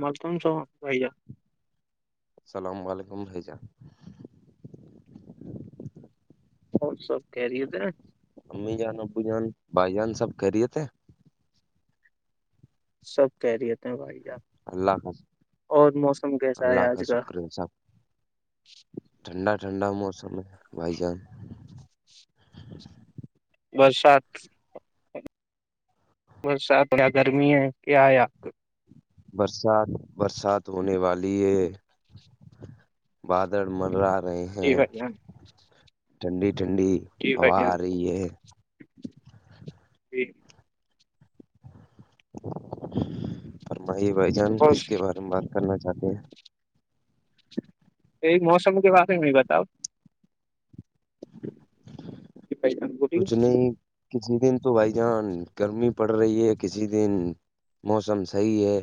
ملکن سو بھیا [unintelligible] السلام علیکم رجہ [unintelligible] اور سب کہ رہی ہو تھ [unintelligible] امی جان ابو جان بھائی جان سب کررییے تھے سب کہہ رہیے تھے بھائی اللہ آپ کا اور موسم کیسا ہے اللہ آج کا [unintelligible] شکر ہے سب ٹھنڈا ٹھنڈا موسم ہے بھائی جان برشات [inaudible] [unintelligible] برسات ب گرمی ہے کیا ہے آپ کو برسات برسات ہونے والی ہے بادر مرات [unintelligible] رہے جی ہیں بھائی جان ٹھنڈی ٹھنڈی جی بھائی ہوا آ جان رہی ہے [unintelligible] جی فماہ بھائی جان اور کس کے بارے میں بات کرنا چاہتے ہیں [unintelligible] یہ موسم کے بارے میں بھی بتاؤ جی بھائی جان بولیے کچھ نہیں کسی دن تو بھائی جان گرمی پڑ رہی ہے کسی دن موسم صحیح ہے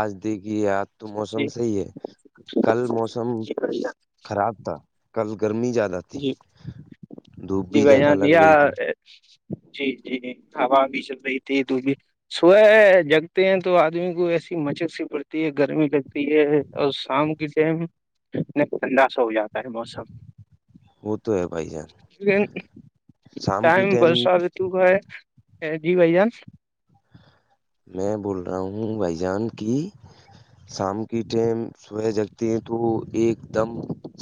آج دیکھی آ تو موسم جی صحی ہے کل موسم جی بھائی جان خراب تھا کل گرمی زیادہ تھی جی دھوپ جی بھی بھائی زیادہ لگ جانیا رہی تھی جی جی جی ہا بھی چل رہی تھی د بھی س جگتے ہیں تو آدمی کو ایسی مچک سی پڑتی ہے گرمی کا تو یہ اور شام کی ٹائم ن ٹھنڈا سا ہو جاتا ہے موسم وہ تو ہے بھ جان لیکن شام کی ٹم تو کہ جی بھ جان میں بول رہا ہوں بھائی جان کی شام کی ٹائم صبح جگتے ہیں تو ایک دم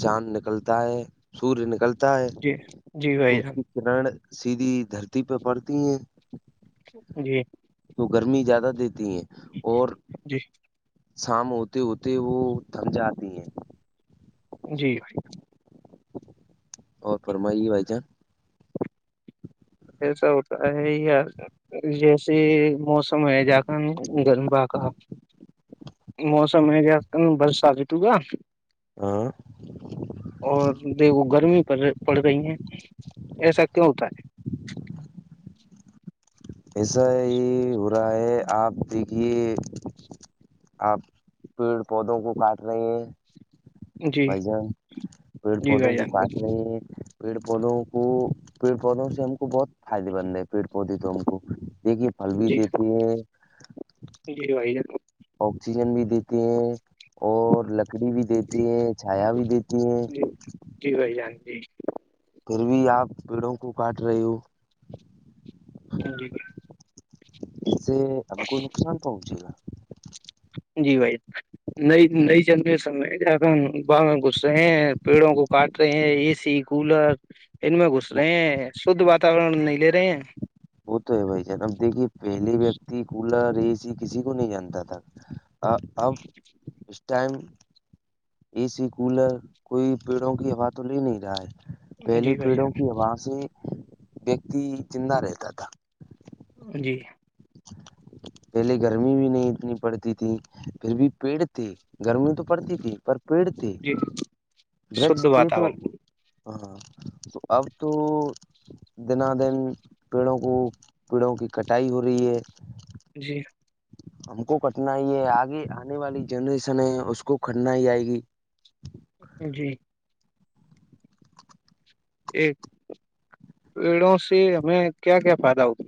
چاند نکلتا ہے سوریہ نکلتا ہے جی جی تو بھائی اس جان کی کررن سیدیدھی دھرتی پہ پڑتی ہیں جی تو گرمی زیادہ دیتی ہے اور جی شام ہوتے ہوتے وہ تھم جاتی ہیں جی اور فرمائیے بھائی جان ایسا ہوتا ہے ہی ار جیسے موسم ہے جا کر گرما کا موسم س میں گ ک بس آ جت ہو گا ہاں اور دو گرمی پ پڑ گئی ہیں ایسا کیا ہوتا ہے ایسا ہی ہو رہا ہے آپ دیکھیے آپ پیڑ پودوں کو کاٹ رہے ہیں ہے جی بھائی جان پیڑ جی پودوں بھائی کو جان بول کاٹ رہ پیڑ پودوں کو پیڑ پودوں سے ہم کو بہت فائدے مند ہے پیڑ پودے تو ہم کو دیکھیے پھلوی جی دیتی ہے جی بھائی ہے آکسیجن بھی دیتے ہیں اور لکڑی بھی دیتی ہیں چھایا بھی دیتی ہیں جی جی بھائی جان جی پھر بھی آپ پیڑوں کو کاٹ رہے ہو جی اس سے ہم کو نقصان پہنچے گا جی بھائی نئی نئی جنمے سم میں ج با میں گسے ہیں پیڑوں کو کاٹ رہے ہیں اے سی کولر ان میں گھس وہ رہے ہیں شھ واتاورن نہیں لے رہے ہیں وہ تو ہے بھائی جانب دیکھیے پہلے ویکتی کولر اے سی کسی کو نہیں جانتا تھا اب اس ٹائم اے سی کولر کوئی پیڑوں کی ہوا تو لے نہیں رہا ہے پہلے جی بھائی پیڑوں جان کی ہوا سے ویکتی زندہ رہتا تھا جی [unintelligible] پہلے گرمی بھی نہیں اتنی پڑتی تھی پھر بھی پیڑ تھے گرمی تو پڑتی تھی پر پیڑ ت جی شدھ ڈرچتے تو واتاورن ہاں تو اب تو دنا دن پیڑوں کو پیڑوں کی کٹائی ہو رہی ہے جی ہم کو کٹنا ہی ہے آگے آنے والی جنریشن ہے اس کو کٹنا ہی آئے گی جی ایک پیڑوں سے ہمیں کیا کیا فائدہ ہوتا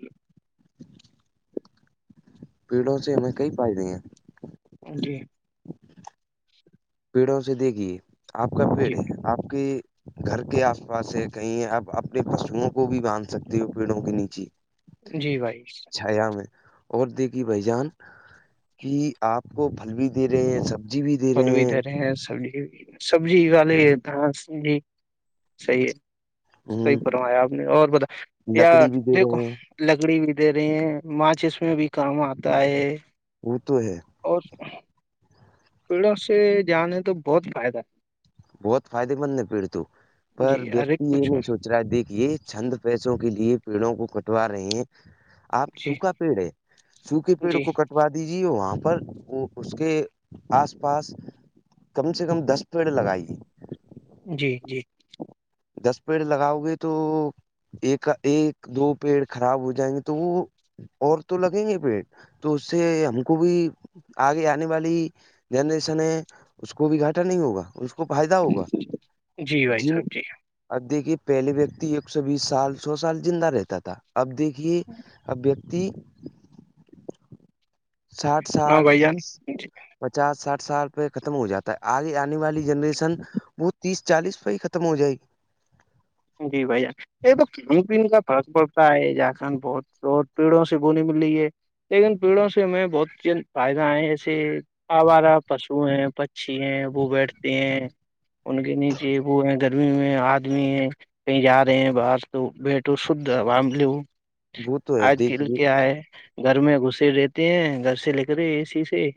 پیڑوں سے ہمیں کئی فائدے ہیں جی پیڑوں سے دیکھیے آپ کا پیڑ جی آپ کی گھر کے آس پاس ہے کہیں آپ اپنے پشوؤں کو بھی باندھ سکتے ہو پیڑوں کے نیچے جی بھائی چھایا میں اور دیکھی بھائی جان کہ آپ کو پھل بھی دے رہے ہیں سب پھل بھی د رہے ہیں سبی بھی سبزی وال ہی ہ ج سی ہے صحی ہ پروایا آپ نے اور بتا یا لکڑی بھی دے دیکھو رہے ہیں لکڑی بھی دے رہے ہیں ماچس میں بھی کام آتا ہے وہ تو ہے اور پیڑوں سے جانے تو بہت فائدہ بہت فائدے مند نہیں پیڑت ہے پر جی ارے ویکتی یہ کچھ نہیں سو چرا دیکھیے چھند پیسوں کے لیے پیڑوں کو کٹوا رہے ہیں آپ جی سوکھا پیڑ ہے سوکھے پیڑ جی کو کٹ کروا دیجیے وہاں پر اس کے آس پاس کم سے کم دس پیڑ لگائی جی جی دس پیڑ لگاؤ گے تو ایک ایک دو پیڑ خراب ہو جائیں گے تو وہ اور تو لگیں گے پیٹ تو اس سے ہم کو بھی آگے آنے والی جنریشن ہے اس کو بھی گھٹا نہیں ہوگا کو فائدہ ہوگا جی بھائی ج صاحب جی اب دیکھیے پہلے ویکتی ایک سو بیس سال سو سال زندہ رہتا تھا اب دیکھیے اب ویکتی ساٹھ ہاں سال بھائی جان جی پچاس ساٹھ سال پ ختم ہو جاتا ہے آگے آنے والی جنریشن سن وہ تیس چالیس پ ہی ختم ہو جائے گ جی بھ جان یہ تو کھان پین کا فرق پڑتا ہے جار کنڈ بہت بت پیڑوں سے بولی مل رہی ہے لیکن پیڑوں سے ہم بہت فائدہ ہے ایسے ہمارا پشو ہیں پکچھی ہیں وہ بیٹھتے ہیں ان کے نیچے وہ ہیں گرمی میں آدمی ہیں کہیں جا رہے ہیں باہر تو بیٹو شھ ب لو وہ تو ہے آج کل دیکھیے کیا ہے گھر میں گھسے رہتے ہیں گھر سے لے کر اے سی سے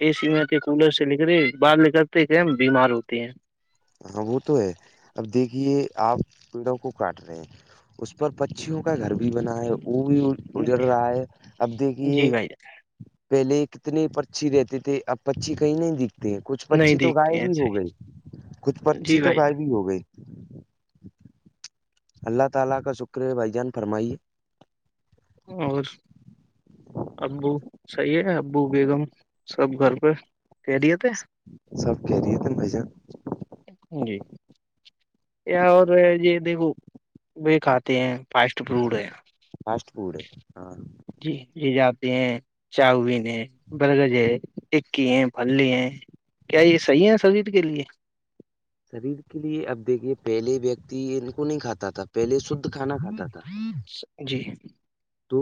اے سی میںتی کولر سے نک رہے بعد ل کرتے کہ ہم بیمار ہوتے ہیں ہاں وہ تو ہے اب دیکھیے آپ پیڑوں کو کاٹ رہے ہیں اس پر پچیوں کا گھر بھی بنا ہے وہ بھی گزر رہا ہے اب دیکھیے جی بھائی پہلے کتنے پرچھی رہتے تھے اب پچھی کہیں نہیں دکھتے کچھ جان نہیں پچی تو دیکھتے ائب ہیں بھی ہو گئی صحیح کچھ پرچی جی تو بھائی ائب بھی ہو گئی اللہ تعالی کا شکر ہے بھائی جان فرمائیے اور ابو صحیح ہے ابو بیگم سب گھر پہ خیریت سب کہہ رہیے تھے نا بھائی جان جی یا اور یہ دیکھو ب کھاتے ہیں فاسٹ فوڈ ہے فاسٹ فوڈ ہاں جی یہ جاتے ہیں چاؤون ہے برگز ہے کی ہے پھلی ہے کیا یہ صحیح ہے سرجید کے لیے شریر کے لیے اب دیکھیے پہلے ویکتی ان کو نہیں کھاتا تھا پہلے شدھ کھانا کھاتا تھا ا جی تو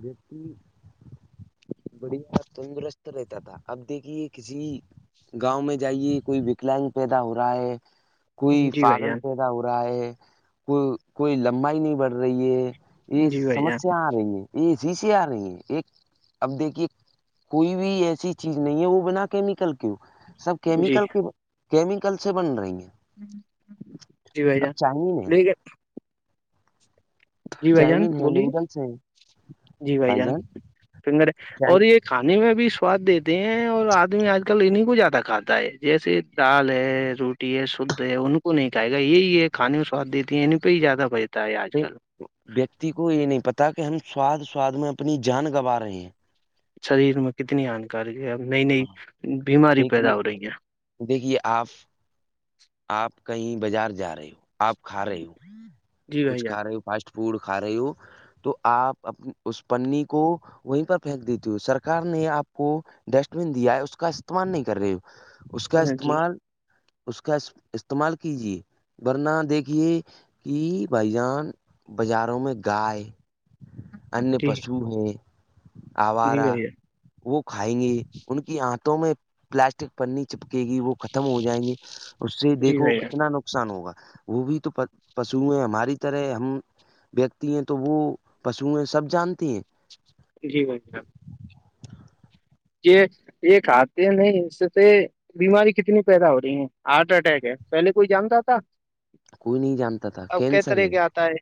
بتی بڑھیا تندرست رہتا تھا اب دیکھیے کسی گاؤں میں جائیے کوئی وکلاگ پیدا ہو رہا ہے کوئی جی بھائی پاگل جان پیدا ہو رہا ہے کو کوئی لمبائی نہیں بڑھ رہی ہے یہ جی بھائی جان سمسیا آ رہی ہیں یہ شیشے آ رہی ہیں ایک اب دیکھیے کوئی بھی ایسی چیز نہیں ہے وہ بنا کیمیکل سب جی کیمیکل کے کیمیکل سے بن رہی ہیں جی بھائی اب جان چاؤمین ہے نہیں گ [unintelligible] جی بھائی جان چاؤمین ہے بولیے نوڈلس ہیں جی بھائی جان فنگر اور یہ کھانے میں بھی سواد دیتے ہیں اور آدمی آج کل انیں کو زیادہ کھاتا ہے جیسے دال ہے روٹی ہے شدھ ہے ان کو نہیں کھے گا یہی یہ کھان میں سواد دیتی ہیں ان پہ ہی زیادہ بچتا ہے آج کل ویکتی کو یہ نہیں پتا کہ ہم سواد سواد میں اپنی جان گوا رہے ہیں شریر میں کتنی ہانکار ہے ا نئی نئی بیماری پیدا دیکھیے ہو رہی ہیں دیکھیے آپ [unintelligible] آپ کہیں بازار جا رہے ہو آپ کھا رہے ہو جی بھائی کچھ کھا رہے ہو فاسٹ فوڈ کھا رہی ہو تو آپ اس پنی کو وہیں پر پھینک دیتی ہوں سرک نے آپ کو ڈسٹ بین دیا ہے اس کا استعمال نہیں کر رہی اس کا جان جی استعمال اس کا استعمال کیجے ورنہ دیکھیے کہ بھائی جان بازاروں میں گائے [inaudible] انیہ پشو ہیں جی آوارہ بھیا وہ کھائیں گے ان کی آنھوں میں پلاسٹک پنی چپکے گی وہ ختم ہو جائیں گے اس سے جی دیکھو بھیا کتنا نقصان ہوگا وہ بھی تو پشو ہیں ہماری طرح ہم ویکتی ہیں تو وہ پشو ہیں سب جانتی ہیں جی بھائی جنا [unintelligible] یہ یہ کھتے نہیں اس سے بیماری کتنی پیدا ہو رہی ہیں ہارٹ اٹیک ہے پہلے کوئی جانتا تھا کوئی نہیں جانتا تھا اب ک کینسر طرح کا آتا ہے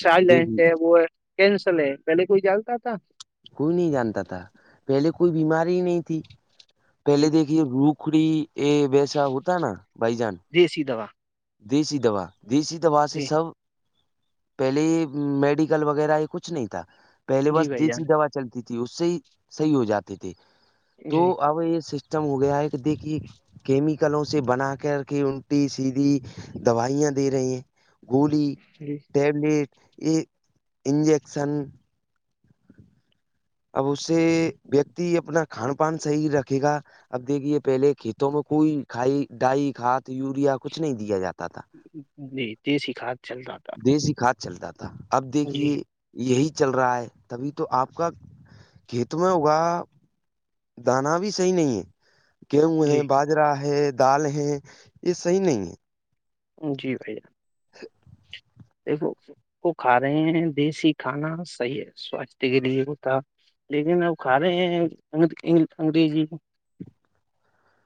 س دیکھیے لینڈ ہے وہ ہے کینسل ہے پہل کوئی چالتا تھا کوئی نہیں جانتا تھا پہلے کوئی بیماری ہی نہیں تھی پہلے جی دیکھیے روکھڑی ا ویسا ہوتا نا بھائی جان دیسی دو دوا [unintelligible] دیسی دوا دیسی دوا سے جی سب پہلے میڈیکل وغیرہ یہ کچھ نہیں تھا پہلے جی بس بھائی جان دیسی دوا چلتی تھی اس سے صحیح ہو جاتے تھے تو جی اب یہ سچم ہو گیا ہے کہ دیکھیے کیمیکلوں سے بنا کر کے انٹی سیدھی دوائیاں دے رہی ہیں گولی جی ڈڈ یہ انجیکشن اب اس سے ویکتی اپنا کھان پان صحیح رکھے گا اب دیکھیے پہلے کھیتوں میں کوئی کھائی ڈائی کھاد یوریا کچھ نہیں دیا جاتا تھا نہیں ج سکھا چل رہا تھا دیسی کھاد چلتا تھا اب جی دیکھیے یہی چل رہا ہے تبھی تو آپ کا کھیت میں ہوگا دانا بھی صحیح نہیں ہے گ ہوئے جی ہیں بات بجرا ہے دال ہے یہ صحیح نہیں ہے جی بھائی جان دیکھو وہ کھا رہے ہیں دیسی کھانا صحیح ہے سواستھ کے لیے وہ تھا لیکن اب کھا رہے ہیں انگریزی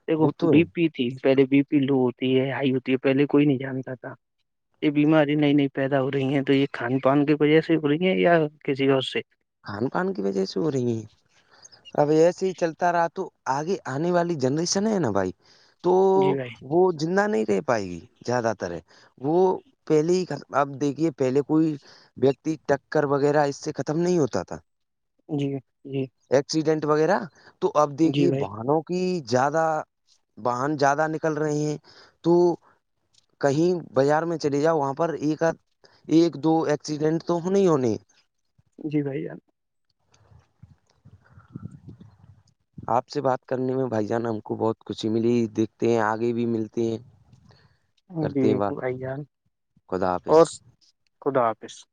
دیکھو وہ بی تو پی تھی پہلے بی پی لو ہوتی ہے ہائی ہوتی ہے پہلے کوئی نہیں جانتا تھا یہ بیماری نئی نئی پیدا ہو رہی ہیں تو یہ کھان پان کی وجہ سے ہو رہی ہیں یا کسی اور سے کان کان کی وجہ سے ہو رہی ہیں اب ایسے ہی چلتا رہا تو آگے آنے والی جنریشن ہے نا بھائی تو جی بھائی وہ جہ نہیں رہ پائے گی زیادہ تر ہے وہ پہلے ہی آپ دیکھیے پہلے کوئی ویکتی ٹکر وغیرہ اس سے ختم نہیں ہوتا تھا جی جی ایکسیڈنٹ وغیرہ تو اب جی دیکھیے بھائی باہنوں کو کہ زیادہ واہن زیادہ نکل رہے ہیں تو کہیں بازار میں چلے جاؤ وہاں پر ایک ایک دو ایکسیڈنٹ تو ہونے ہی ہونے جی بھائی ار آپ سے بات کرنے میں بھائی جان ہم کو بہت خوشی ملی دیکھتے ہیں آگے بھی ملتے ہیں جی کرتے ہیں بات آائی جال خدا آافظ خدا حافظ